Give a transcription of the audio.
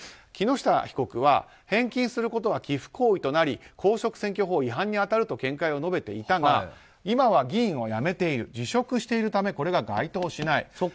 木下被告は返金することは寄付行為となり公職選挙法違反に当たると見解を述べていたが今は議員を辞めている辞職しているため該当しない。